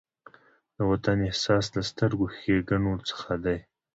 د وطن احساس له سترو ښېګڼو څخه دی.